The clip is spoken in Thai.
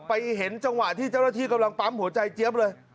เห็นจังหวะที่เจ้าหน้าที่กำลังปั๊มหัวใจเจี๊ยบเลย